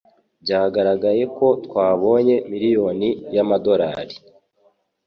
Byaragaragaye ko twabonye miliyoni y'amadolari.